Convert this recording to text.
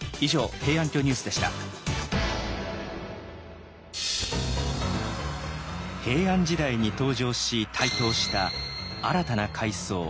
平安時代に登場し台頭した新たな階層「武士」。